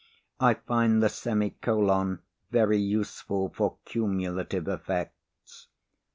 I find the semicolon very useful for cumulative effects."